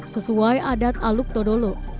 sesuai adat aluk todolo